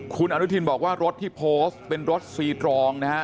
คุณอนุทินบอกว่ารถที่โพสต์เป็นรถซีตรองนะฮะ